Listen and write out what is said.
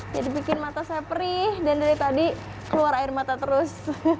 jadi bikin mata saya perih dan dari tadi keluar air mata terus